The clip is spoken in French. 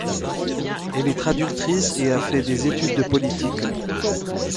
Elle est traductrice et a fait des études de politique.